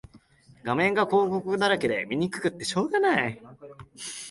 画面が広告だらけで見にくくてしょうがない